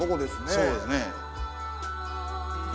そうですね。